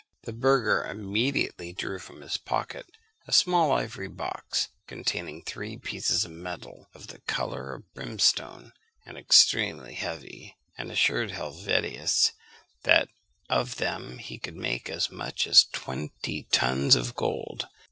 The burgher immediately drew from his pocket a small ivory box, containing three pieces of metal, of the colour of brimstone, and extremely heavy; and assured Helvetius, that of them he could make as much as twenty tons of gold.